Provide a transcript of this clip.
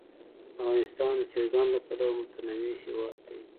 افغانستان د چرګانو له پلوه متنوع هېواد دی.